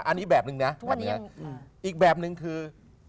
อันนี้แบบหนึ่งนะอีกแบบหนึ่งคือ